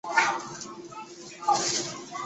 该物种的模式产地在长崎和日本。